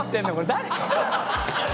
誰？